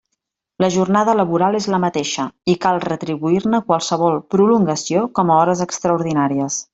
La jornada laboral és la mateixa, i cal retribuir-ne qualsevol prolongació com a hores extraordinàries.